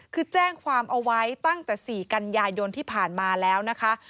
คือแจ้งความเอาไว้ตั้งแต่๔กันยายนที่ผ่านมาแล้วนะคะ